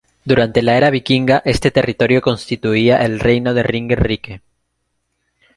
Durante la era vikinga, este territorio constituía el reino de Ringerike.